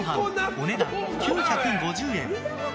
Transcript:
お値段９５０円。